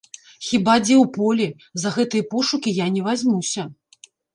Хіба дзе ў полі, за гэтыя пошукі я не вазьмуся.